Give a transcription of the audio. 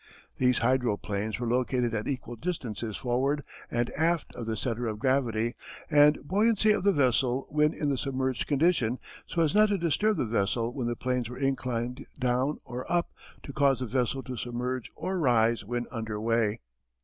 These hydroplanes were located at equal distances forward and aft of the center of gravity and buoyancy of the vessel when in the submerged condition, so as not to disturb the vessel when the planes were inclined down or up to cause the vessel to submerge or rise when under way.